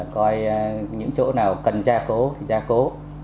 coi những chỗ nào cần gia cố thì gia cố